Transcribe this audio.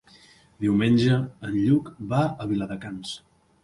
Diumenge en Lluc va a Viladecans.